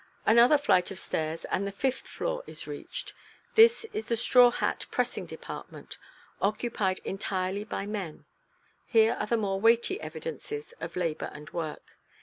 Another flight of stairs and the fifth floor is reached. This is the straw hat pressing department, occupied entirely by men. Here are the more weighty evidences of labor and work.